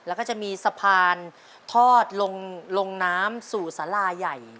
แล้วก็จะมีสะพานทอดลงน้ำสู่สาราใหญ่